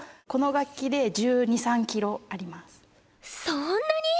そんなに！